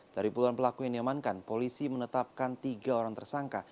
dari puluhan pelaku yang diamankan polisi menetapkan tiga orang tersangka